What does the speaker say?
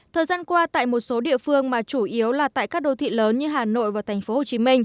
thời gian qua tại một số địa phương mà chủ yếu là tại các đô thị lớn như hà nội và tp hcm